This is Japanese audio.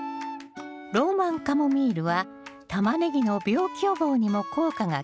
ローマンカモミールはタマネギの病気予防にも効果が期待できます。